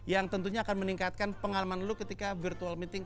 yang tentunya akan meningkatkan pengalaman lu ketika virtual meeting